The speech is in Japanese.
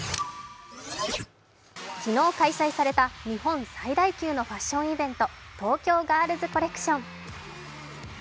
昨日開催された日本最大級のファッションイベント、東京ガールズコレクション。